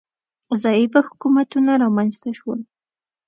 ضعیفه حکومتونه رامنځ ته شول